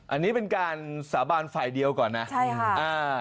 อันนี้เป็นการสาบานฝ่ายเดียวก่อนนะใช่ค่ะอ่า